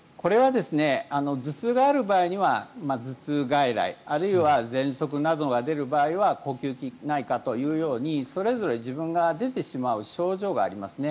頭痛がある場合には頭痛外来、あるいはぜんそくなどが出る場合は呼吸器内科というようにそれぞれ自分が出てしまう症状がありますね。